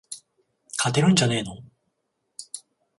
勝てるんじゃねーの